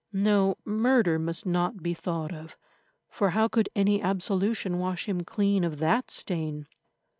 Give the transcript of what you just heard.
No, murder must not be thought of; for how could any absolution wash him clean of that stain?